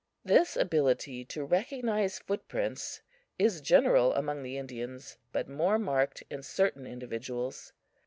This ability to recognize footprints is general among the Indians, but more marked in certain individuals.